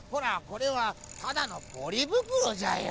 これはただのポリブクロじゃよ。